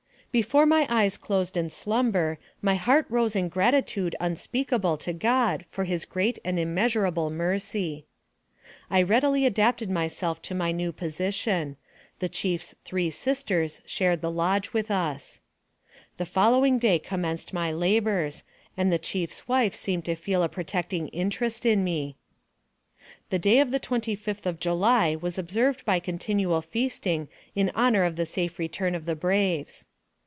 Before my eyes closed in slumber, my heart rose in gratitude unspeakable to God for his great and im measurable mercy. I readily adapted myself to my new position. The chief's three sisters shared the lodge with us. The following day commenced my labors, and the chief's wife seemed to feel a protecting interest in me. The day of the 2oth of July was observed by continual feasting in honor of the safe return of the braves.